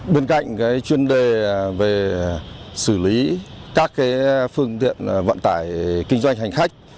bên cạnh chuyên đề về xử lý các phương tiện vận tải kinh doanh hành khách